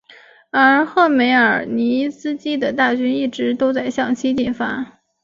而赫梅尔尼茨基的大军一直都在向西进发。